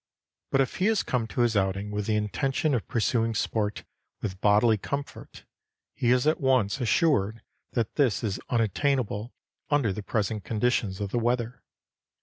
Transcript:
But if he has come to his outing with the intention of pursuing sport with bodily comfort, he is at once assured that this is unattainable under the present conditions of the weather.